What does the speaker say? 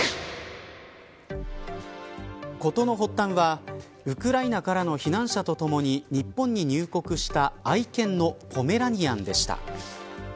事の発端はウクライナからの避難者とともに日本に入国した愛犬のポメラニアンでした。